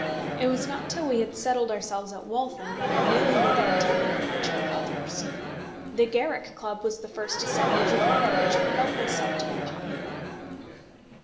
It was not till we had settled ourselves at Waltham that I really began to live much with others. The Garrick Club was the first assemblage of men at which I felt myself to be popular.